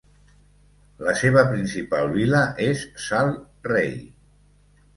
La seva principal vila és Sal Rei.